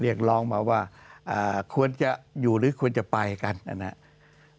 เรียกร้องมาว่าควรจะอยู่หรือควรจะไปกันนะครับ